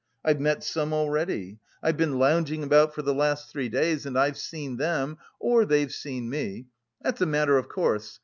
"I've met some already. I've been lounging about for the last three days, and I've seen them, or they've seen me. That's a matter of course.